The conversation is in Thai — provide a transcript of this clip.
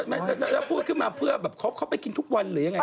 แล้วพูดขึ้นมาเพื่อแบบเขาไปกินทุกวันหรือยังไง